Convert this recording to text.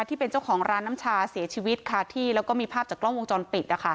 ที่เป็นเจ้าของร้านน้ำชาเสียชีวิตค่ะที่แล้วก็มีภาพจากกล้องวงจรปิด